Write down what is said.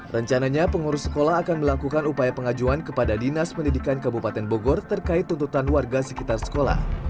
rencananya pengurus sekolah akan melakukan upaya pengajuan kepada dinas pendidikan kabupaten bogor terkait tuntutan warga sekitar sekolah